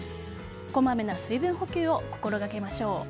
こまめな水分補給を心掛けましょう。